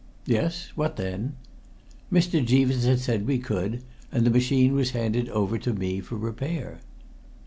"Yes; what then?" "Mr. Jeaveson said we could, and the machine was handed over to me for repair."